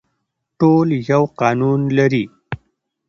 ټول یو قانون لري